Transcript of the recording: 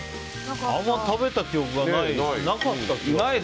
あんまり食べた記憶がない。